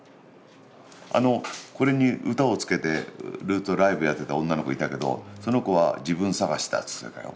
これに歌をつけてずっとライブやってた女の子いたけどその子は「自分探しだ」つってたよ。